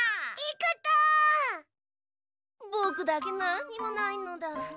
ぼくだけなんにもないのだ。